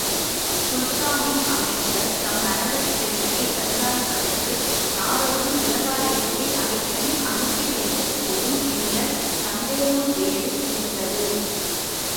சுல்தானின் அமைச்சர், தம் நடவடிக்கைகளைக் கண்காணிப்பதற்கு, யாரேனும் உளவாளிகளை அடிக்கடி அனுப்பி வைக்கக்கூடும் என்ற சந்தேகம் வேறு இருந்தது.